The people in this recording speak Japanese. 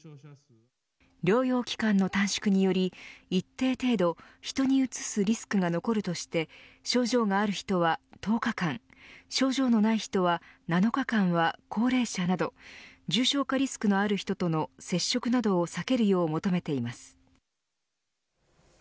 療養期間の短縮により一定程度、人にうつすリスクが残るとして症状がある人は１０日間症状のない人は７日間高齢者など重症化リスクのある人との接触などを避けるよう求めています。